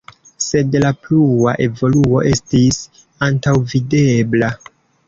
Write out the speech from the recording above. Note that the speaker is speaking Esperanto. Sed la plua evoluo estis antaŭvidebla.